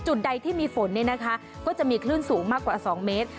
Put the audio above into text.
จุดใดที่มีฝนเนี่ยนะคะก็จะมีคลื่นสูงมากกว่า๒เมตร